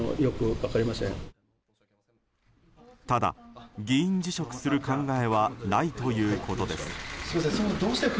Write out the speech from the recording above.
ただ、議員辞職する考えはないということです。